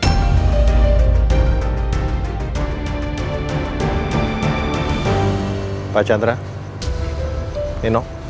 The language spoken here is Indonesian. assalamualaikum warahmatullahi wabarakatuh